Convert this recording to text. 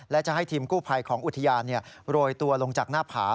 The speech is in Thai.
และจะให้ทีมกู้ภัยของอุทยานโรยตัวลงจากหน้าผา